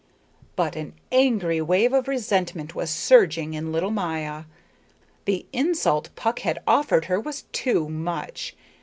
But an angry wave of resentment was surging in little Maya. The insult Puck had offered her was too much.